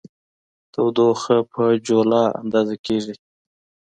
تودوخه په جولا اندازه کېږي.